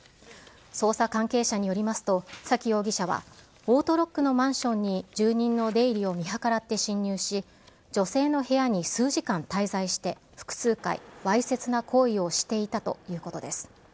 捜査関係者によりますと、崎容疑者は、オートロックのマンションに住人の出入りを見計らって侵入し、女性の部屋に数時間滞在して、複数回、わいせつな行為をしていたということです。